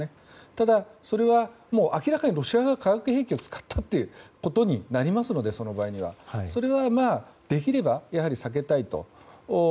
ただ、それは明らかにロシア側は化学兵器を使ったということになりますのでそれはやはり、できれば避けたいと。